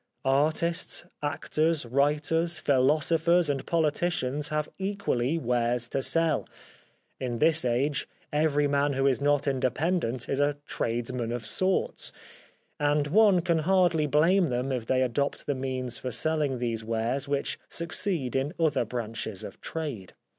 Artists, actors, writers, philosophers and politicians have equally wares to sell — in this age every man who is not independent is a tradesman of sorts — and one can hardly blame them if they adopt the means for selling these wares which succeed in other branches of trade.